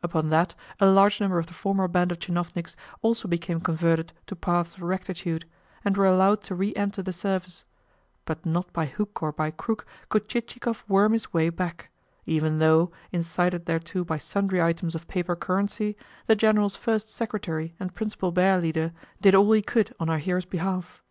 Upon that a large number of the former band of tchinovniks also became converted to paths of rectitude, and were allowed to re enter the Service; but not by hook or by crook could Chichikov worm his way back, even though, incited thereto by sundry items of paper currency, the General's first secretary and principal bear leader did all he could on our hero's behalf.